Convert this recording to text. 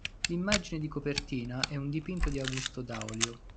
L'immagine di copertina è un dipinto di Augusto Daolio.